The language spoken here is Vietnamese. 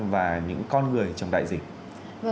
và những con người trong đại dịch